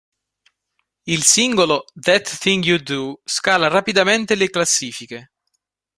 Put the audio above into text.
Il singolo "That Thing You Do" scala rapidamente le classifiche.